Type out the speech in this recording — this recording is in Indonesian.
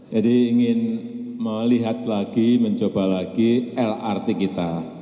jadi ingin melihat lagi mencoba lagi lrt kita